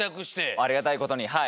ありがたいことにはい。